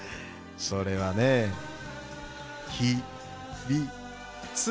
それはねひみつ。